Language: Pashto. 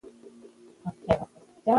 دا تړون د افغانستان لپاره بدمرغي وه.